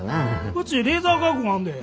うちレーザー加工があんで。